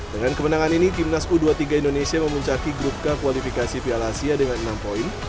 dengan kemenangan ini timnas u dua puluh tiga indonesia memuncaki grup k kualifikasi piala asia dengan enam poin